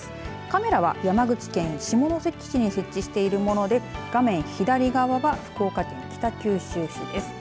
カメラは山口県下関市に設置しているもので画面左側は福岡県北九州市です。